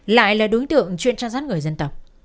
lại là đối tượng chuyên trang sát người dân tộc